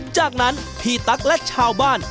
จากนั้นพี่ตั๊กและชาวบ้าน